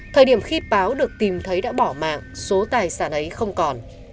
thời điểm khi báo được tìm thấy đã bỏ mạng số tài sản ấy không còn